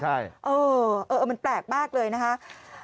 ใช่เออมันแปลกมากเลยนะคะ